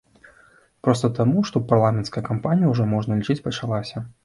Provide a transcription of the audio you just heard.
Проста таму, што парламенцкая кампанія ўжо, можна лічыць, пачалася.